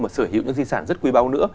mà sở hữu những di sản rất quý báu nữa